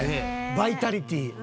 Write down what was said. バイタリティー。